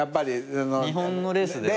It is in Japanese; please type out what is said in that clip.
日本のレースでは。